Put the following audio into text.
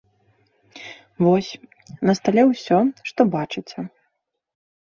Вось, на стале ўсё, што бачыце.